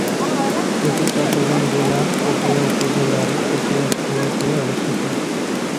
এটি চট্টগ্রাম জেলার পটিয়া উপজেলার পটিয়া পৌরসভায় অবস্থিত।